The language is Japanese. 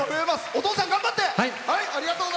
お父さん、頑張って！